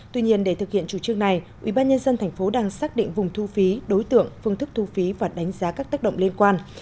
tuy nhiên để thực hiện chủ trương này ubnd tp đang xác định vùng thu phí đối tượng phương thức thu phí và đánh giá các tác động liên quan